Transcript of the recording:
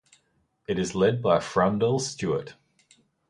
It is led by Freundel Stuart.